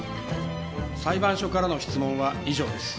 裁判所からの質問は以上です